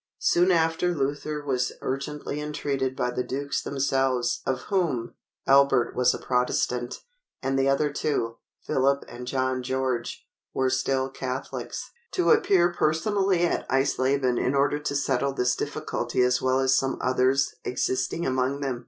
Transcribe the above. Soon after, Luther was urgently entreated by the Dukes themselves (of whom, Albert was a Protestant, and the other two, Philip and John George, were still Catholics,) to appear personally at Eisleben in order to settle this difficulty as well as some others existing among them.